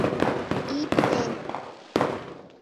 Ий пытен